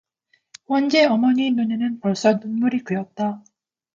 원재 어머니의 눈에는 벌써 눈물이 괴었다.